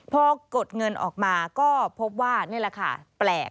พอกดเงินออกมาก็พบว่านี่แหละค่ะแปลก